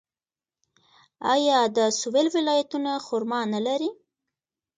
آیا د سویل ولایتونه خرما نلري؟